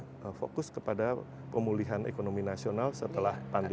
pemerintah fokus kepada pemulihan ekonomi nasional setelah pandemi covid